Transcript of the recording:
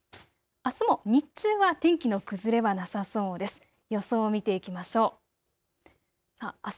あすも日中は天気の崩れはなさそうです。